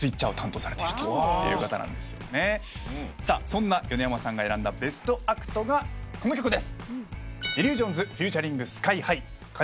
そんな米山さんが選んだベストアクトがこの曲です。